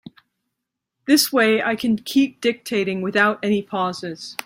This way I can keep dictating without any pauses.